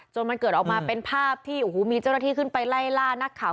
จนมันเกิดออกมาเป็นภาพที่โอ้โหมีเจ้าหน้าที่ขึ้นไปไล่ล่านักข่าว